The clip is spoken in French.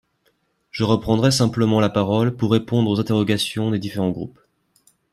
Je reprendrai simplement la parole pour répondre aux interrogations des différents groupes.